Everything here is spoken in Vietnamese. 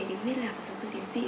thì mình biết là một số sư tiến sĩ